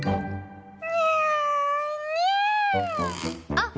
あっ！